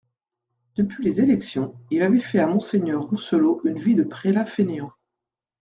Depuis les élections, il avait fait à monseigneur Rousselot une vie de prélat fainéant.